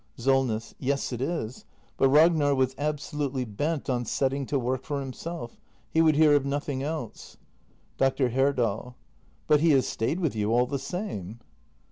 Solness. Yes, it is. But Ragnar was absolutely bent on setting to work for himself. He would hear of nothing else. Dr. Herdal. But he has stayed with you all the same.